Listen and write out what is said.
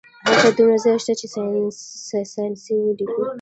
هلته دومره ځای شته چې ساینسي ولیکو